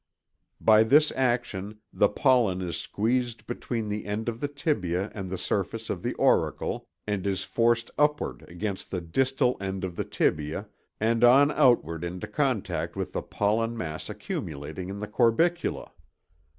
By this action the pollen is squeezed between the end of the tibia and the surface of the auricle and is forced upward against the distal end of the tibia and on outward into contact with the pollen mass accumulating in the corbicula.